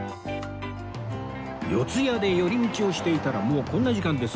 四谷で寄り道をしていたらもうこんな時間です